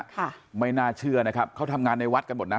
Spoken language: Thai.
ไม่น่าเชื่อนะครับเขาทำงานในวัดกันหมดนะ